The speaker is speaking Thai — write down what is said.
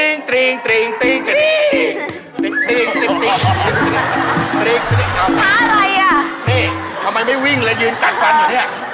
นี่ทำไมไม่วิ่งเลยยืนกันสรรอยู่เนี่ย